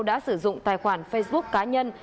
đã sử dụng tài khoản facebook cá nhân